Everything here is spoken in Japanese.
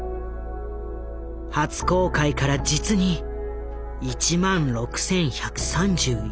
初公開から実に１万６，１３１日後。